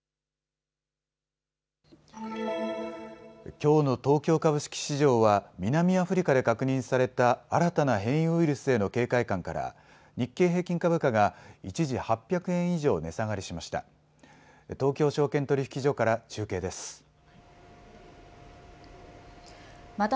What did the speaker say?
きょうの東京株式市場は南アフリカで確認された新たな変異ウイルスへの警戒感から日経平均株価が一時８００円以上値下がりしました。